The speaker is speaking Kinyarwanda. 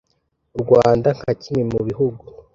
U Rwanda nka kimwe mu bihugu